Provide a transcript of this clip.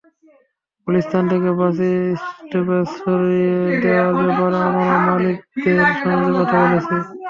গুলিস্তান থেকে bus stoppage সরিয়ে দেওয়ার ব্যাপারে আমরা মালিকদের সঙ্গে কথা বলেছি।